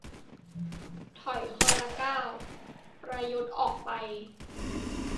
ถอยคนละก้าว ประยุทธ์ออกไป